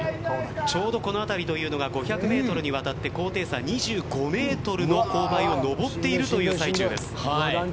ちょうどこの辺りというのが５００メートルにわたって高低差２５メートルの勾配を上っているという最中です。